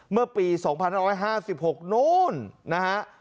เมื่อปีสองพันห้าร้อยห้าสิบหกโน้นนะฮะ